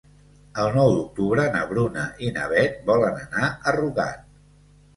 El nou d'octubre na Bruna i na Beth volen anar a Rugat.